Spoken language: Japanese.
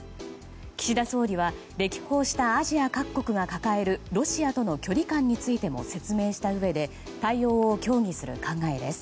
岸田総理は歴訪したアジア各国が抱えるロシアとの距離感についても説明したうえで対応を協議する考えです。